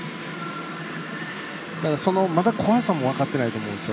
また怖さも分かってないと思うんですよ。